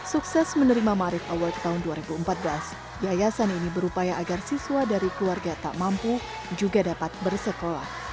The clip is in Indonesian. sukses menerima marit award tahun dua ribu empat belas yayasan ini berupaya agar siswa dari keluarga tak mampu juga dapat bersekolah